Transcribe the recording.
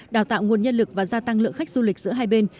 đào tạo nguồn nhân lực và gia tăng lượng khách du lịch giữa hai bên